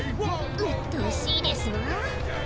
うっとうしいですわ。